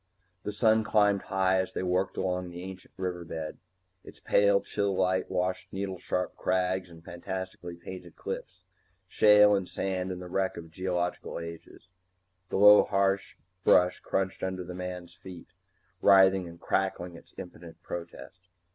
The sun climbed high as they worked along the ancient river bed. Its pale chill light washed needle sharp crags and fantastically painted cliffs, shale and sand and the wreck of geological ages. The low harsh brush crunched under the man's feet, writhing and crackling its impotent protest.